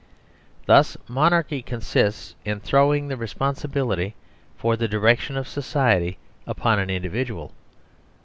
Thus Monarchy consists in throwing the 18 DEFINITIONS responsibility for the direction of society upon an individual.